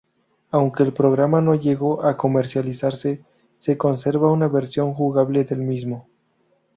Aunque el programa no llegó a comercializarse, se conserva una versión jugable del mismo.